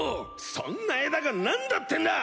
そんな枝が何だってんだ！